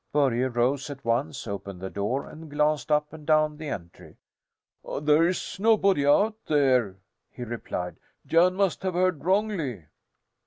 Börje rose at once, opened the door, and glanced up and down the entry. "There's nobody out there," he replied. "Jan must have heard wrongly."